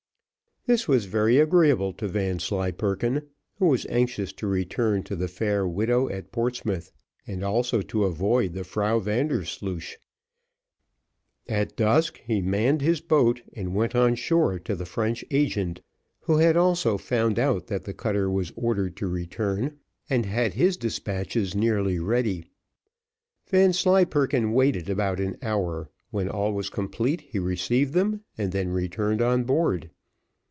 This was very agreeable to Vanslyperken, who was anxious to return to the fair widow at Portsmouth, and also to avoid the Frau Vandersloosh. At dusk, he manned his boat and went on shore to the French agent, who had also found out that the cutter was ordered to return, and had his despatches nearly ready. Vanslyperken waited about an hour; when all was complete he received them, and then returned on board.